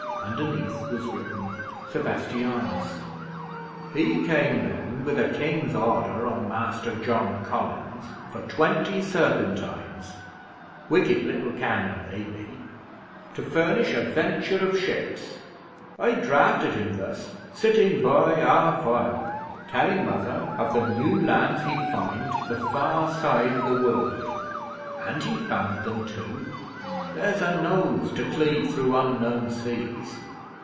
Underneath was written: 'Sebastianus.' 'He came down with a King's Order on Master John Collins for twenty serpentines (wicked little cannon they be!) to furnish a venture of ships. I drafted him thus sitting by our fire telling Mother of the new lands he'd find the far side the world. And he found them, too! There's a nose to cleave through unknown seas!